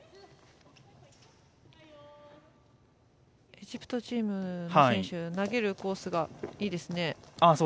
エジプトチームの選手は投げるコースがいいですね。